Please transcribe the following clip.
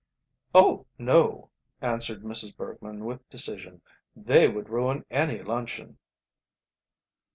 "Oh! no," answered Mrs. Bergmann with decision, "they would ruin any luncheon."